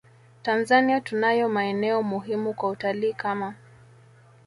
Tanzania tunayo maeneo muhimu kwa utalii kama